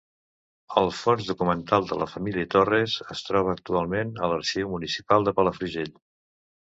El fons documental de la família Torres es troba actualment a l'Arxiu Municipal de Palafrugell.